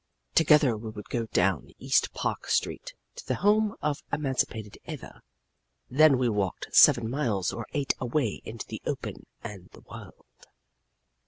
Together we would go down east Park street to the home of Emancipated Eva. Then we walked seven miles or eight away into the open and the wild.